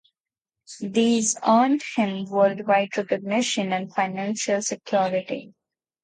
These earned him worldwide recognition and financial security.